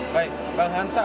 baik bang hanta